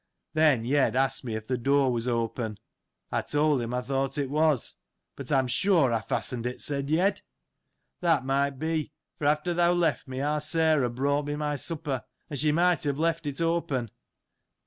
Then, Yed asked me, if the door was open. I told him I thought it was. But, I am sure I fastened it, said Yed. That might be, for after thou left me, our Sarah brought me my supper ; and she might have left it open.